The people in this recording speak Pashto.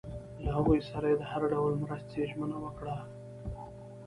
له هغوی سره یې د هر ډول مرستې ژمنه وکړه.